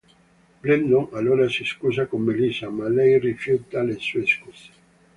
Brendon allora si scusa con Melissa, ma lei rifiuta le sue scuse.